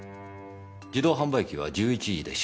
自動販売機は１１時で終了です。